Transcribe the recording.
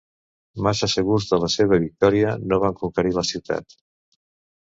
Massa segurs de la seva victòria, no van conquerir la ciutat.